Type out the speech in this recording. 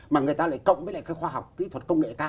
mà người ta lại cộng với lại cái khoa học